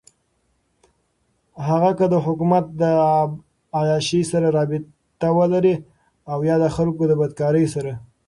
هغــه كه دحــكومت دعيــاشۍ سره رابطه ولري اويا دخلـــكو دبدكارۍ سره.